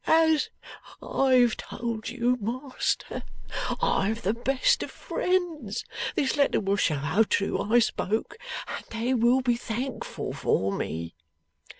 'As I've told you, Master, I've the best of friends. This letter will show how true I spoke, and they will be thankful for me.